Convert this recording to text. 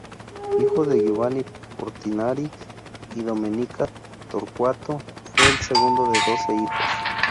Hijo de Giovan Portinari y Domenica Torquato, fue el segundo de doce hijos.